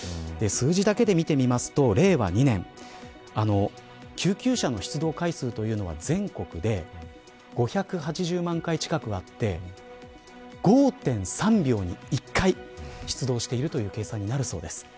数字だけで見てみますと令和２年救急車の出動回数というのは全国で５８０万回近くあって５．３秒に１回出動しているという計算になるそうです。